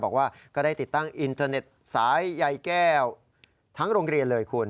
บอกว่าก็ได้ติดตั้งอินเทอร์เน็ตสายใยแก้วทั้งโรงเรียนเลยคุณ